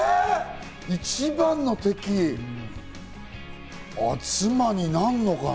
一番の敵、妻になるのかな？